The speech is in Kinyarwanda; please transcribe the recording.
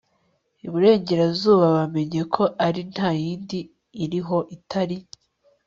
iburengerazuba bamenye ko ari nta yindi iriho itari